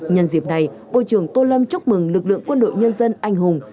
nhân dịp này bộ trưởng tô lâm chúc mừng lực lượng quân đội nhân dân anh hùng